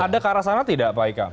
ada ke arah sana tidak pak ika